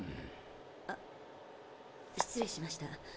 あ失礼しました。